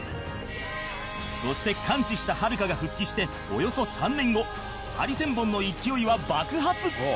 そして完治したはるかが復帰しておよそ３年後ハリセンボンの勢いは爆発！